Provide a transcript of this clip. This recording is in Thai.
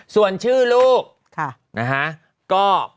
ส่วนชื่อลูก